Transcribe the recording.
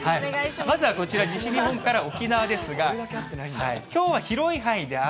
まずは西日本から沖縄ですが、きょうは広い範囲で雨。